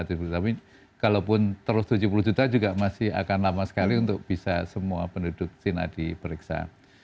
tapi kalaupun terus tujuh puluh juta juga masih akan lama sekali untuk bisa semua penduduk cina diperiksa